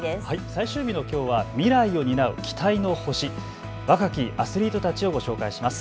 最終日のきょうは未来を担う期待の星、若きアスリートたちをご紹介します。